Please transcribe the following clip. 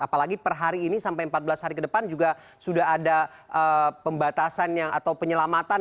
apalagi per hari ini sampai empat belas hari ke depan juga sudah ada pembatasan atau penyelamatan